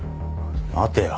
待てよ。